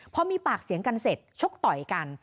พอมีปากเสียงกันเสร็จชกต่อยกัน